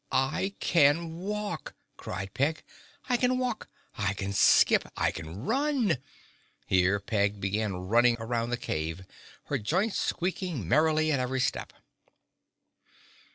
"I can walk!" cried Peg. "I can walk; I can skip; I can run!" Here Peg began running around the cave, her joints squeaking merrily at every step.